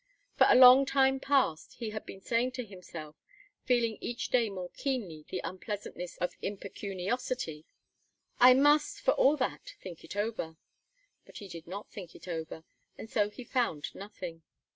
For a long time past, he had been saying to himself, feeling each day more keenly the unpleasantness of impecuniosity: "I must, for all that, think over it." But he did not think over it, and so he found nothing.